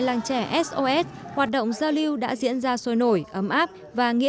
tại làng trẻ sos hoạt động giao lưu đã diễn ra sôi nổi